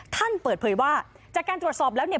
ท่านเปิดเผยว่าจากการตรวจสอบแล้วเนี่ย